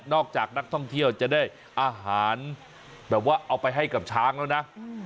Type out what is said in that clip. จากนักท่องเที่ยวจะได้อาหารแบบว่าเอาไปให้กับช้างแล้วนะ